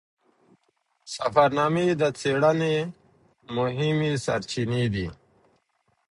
سفرنامې د څیړنې مهمې سرچینې دي.